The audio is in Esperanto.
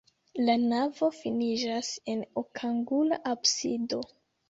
La navo finiĝas en okangula absido.